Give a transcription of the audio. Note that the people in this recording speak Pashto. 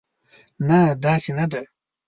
نه، داسې نه ده.